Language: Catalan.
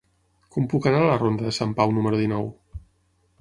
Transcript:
Com puc anar a la ronda de Sant Pau número dinou?